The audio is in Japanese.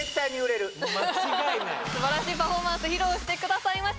間違いないすばらしいパフォーマンス披露してくださいました